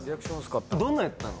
どんなやったの？